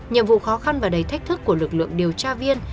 nhiệm vụ khó khăn và đầy thách thức của lực lượng điều tra viên